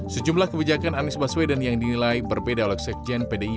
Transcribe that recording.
sejumlah kebijakan anies baswedan yang dinilai berbeda oleh sekjen pdip